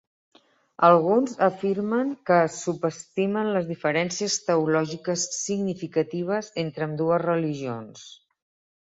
Alguns afirmen que es subestimen les diferències teològiques significatives entre ambdues religions.